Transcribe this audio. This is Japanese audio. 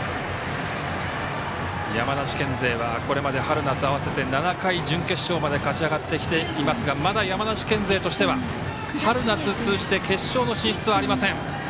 山梨県勢はこれまで春夏合わせて７回、準決勝まで勝ち上がってきていますがまだ山梨県勢としては春夏通じて決勝の進出はありません。